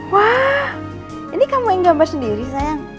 wah ini kamu yang gambar sendiri sayang